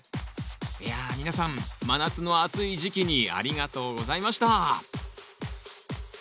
いや皆さん真夏の暑い時期にありがとうございました